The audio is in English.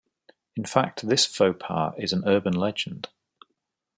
In fact, this faux pas is an urban legend.